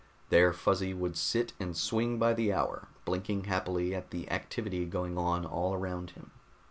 There Fuzzy would sit and swing by the hour, blinking happily at the activity going on all around him.